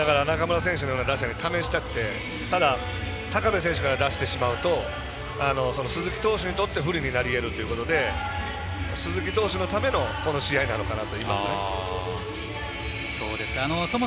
だから、試したくてただ高部選手から出してしまうと鈴木投手にとって不利になりえるということで鈴木投手のための試合なのかな。